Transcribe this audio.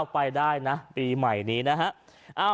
ไปได้นะปีใหม่นี้นะฮะ